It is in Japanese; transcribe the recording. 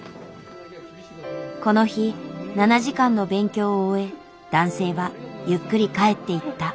この日７時間の勉強を終え男性はゆっくり帰っていった。